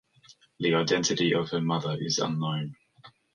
The identity of her mother is unknown.